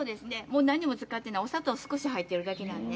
何も使ってない、お砂糖が少し入っているだけなんで。